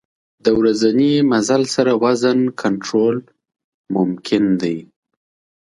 د ورځني مزل سره وزن کنټرول ممکن دی.